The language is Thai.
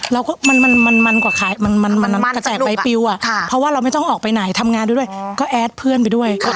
มันก็มันกว่าขายมันกระแจกใบปิวอ่ะเพราะว่าเราไม่ต้องออกไปไหนทำงานด้วยก็แอดเพื่อนไปด้วย